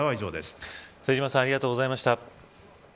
瀬島さんありがとうございました。